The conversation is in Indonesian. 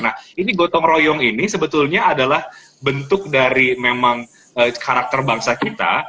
nah ini gotong royong ini sebetulnya adalah bentuk dari memang karakter bangsa kita